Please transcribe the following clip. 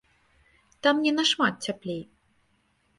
Там не нашмат цяплей.